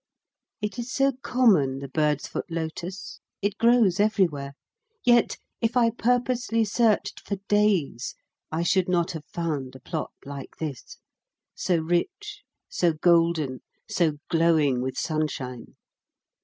It is so common, the bird's foot lotus, it grows everywhere; yet if I purposely searched for days I should not have found a plot like this, so rich, so golden, so glowing with sunshine.